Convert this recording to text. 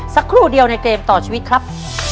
สักครู่เดียวในเกมต่อชีวิตครับ